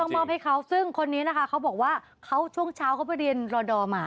มอบให้เขาซึ่งคนนี้นะคะเขาบอกว่าเขาช่วงเช้าเขาไปเรียนรอดอร์มา